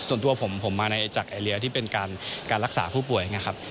ส่วนตัวผมมาจากแอเรียที่เป็นการรักษาผู้ป่วย